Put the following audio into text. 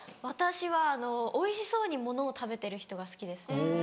私はおいしそうにものを食べてる人が好きです。